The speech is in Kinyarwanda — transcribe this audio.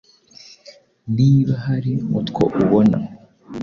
niba hari utwo ubona